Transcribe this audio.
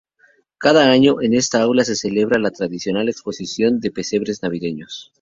Cada año, en esta aula se celebra la tradicional exposición de pesebres navideños.